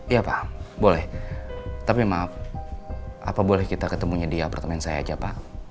iya pak boleh tapi maaf apa boleh kita ketemunya di apartemen saya aja pak